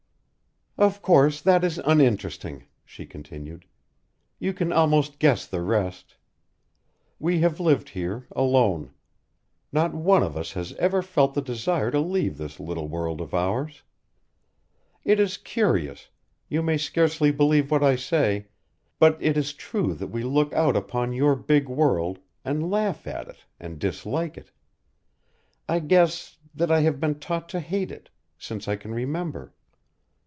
"Of course, that is uninteresting," she continued. "You can almost guess the rest. We have lived here alone. Not one of us has ever felt the desire to leave this little world of ours. It is curious you may scarcely believe what I say but it is true that we look out upon your big world and laugh at it and dislike it. I guess that I have been taught to hate it since I can remember."